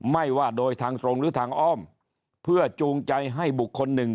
ไม่ว่าโดยทางตรงหรือทางอ้อมเพื่อจูงใจให้บุคคลหนึ่ง